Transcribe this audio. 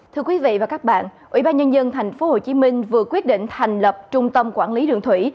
thưa quý vị và các bạn ủy ban nhân dân tp hcm vừa quyết định thành lập trung tâm quản lý đường thủy